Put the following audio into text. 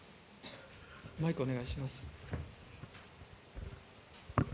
マイクお願いします。